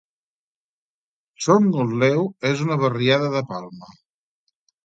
Son Gotleu és una barriada de Palma.